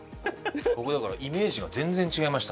僕だからイメージが全然違いました。